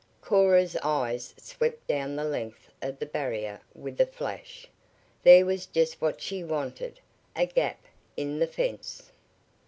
Cora's eyes swept down the length of the barrier with a flash. There was just what she wanted! A gap in the fence!